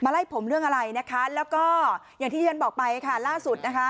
แล้วก็อย่างที่เจนบอกไปล่าสุด